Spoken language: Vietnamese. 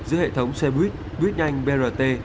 giữa hệ thống xe buýt buýt nhanh brt